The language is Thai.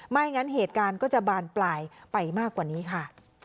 ไม่งั้นเหตุการณ์ก็จะบานปลายไปมากกว่านี้ค่ะ